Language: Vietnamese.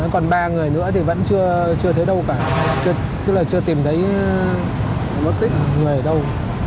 còn ba người nữa thì vẫn chưa thấy đâu cả chưa tìm thấy người ở đâu